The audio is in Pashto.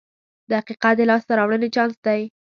• دقیقه د لاسته راوړنې چانس دی.